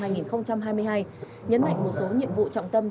nhấn mạnh một số nhiệm vụ trọng tâm trong thời gian tới